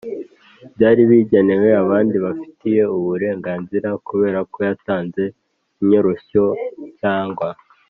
byari bigenewe abandi babifitiye uburenganzira kubera ko yatanze inyoroshyo cyangwa